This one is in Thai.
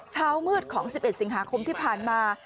เช้ามืดของ๑๑สิงหาคมที่ผ่านมา